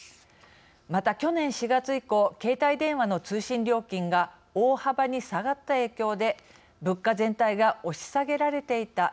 また、去年４月以降携帯電話の通信料金が大幅に下がった影響で物価全体が押し下げられていた。